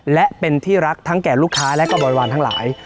และเป็นที่รักทั้งแก่ลูกค้าและก็บริวารทั้งหลาย